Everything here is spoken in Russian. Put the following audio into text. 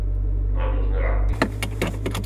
Нам нужны рамки.